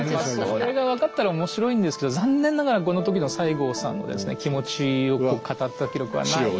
それが分かったら面白いんですけど残念ながらこの時の西郷さんの気持ちを語った記録はないんですね。